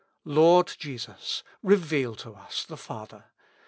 Lord Jesus! reveal to us the Father.